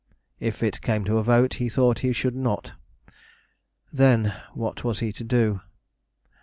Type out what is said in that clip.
If it came to a vote, he thought he should not. Then, what was he to do?